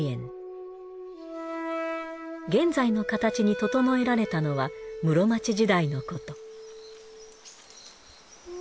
現在の形に整えられたのは室町時代のこと。